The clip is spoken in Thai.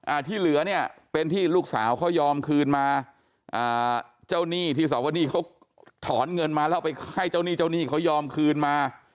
ที่เหลือเนี่ยเป็นที่ลูกสาวเขายอมคืนมาอ่าเจ้าหนี้ที่สวนี่เขาถอนเงินมาแล้วไปให้เจ้าหนี้เจ้าหนี้เขายอมคืนมา